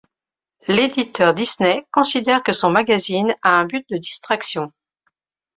L'éditeur Disney considère que son magazine a un but de distraction.